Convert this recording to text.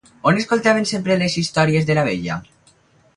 On escoltaven sempre les històries de la vella?